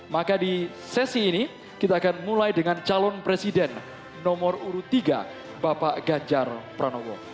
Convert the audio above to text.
maka di sesi ini kita akan mulai dengan calon presiden nomor urut tiga bapak ganjar pranowo